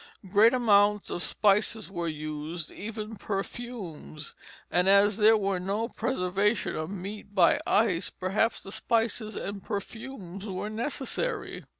Great amounts of spices were used, even perfumes; and as there was no preservation of meat by ice, perhaps the spices and perfumes were necessary.